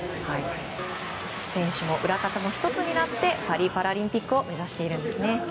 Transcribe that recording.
選手も裏方も１つになってパリパラリンピックを目指しているんですね。